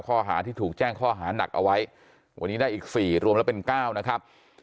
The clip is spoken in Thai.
ข้อหาที่ถูกแจ้งข้อหานักเอาไว้วันนี้ได้อีก๔รวมแล้วเป็น๙นะครับ